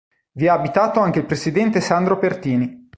Vi ha abitato anche il presidente Sandro Pertini.